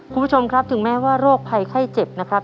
คุณผู้ชมครับถึงแม้ว่าโรคภัยไข้เจ็บนะครับ